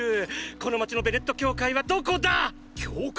この街のベネット教会はどこだ⁉教会？